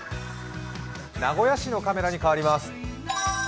名古屋市のカメラにかわります。